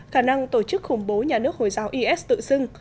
khả năng tổ chức khủng bố nhà nước hồi giáo is tự xưng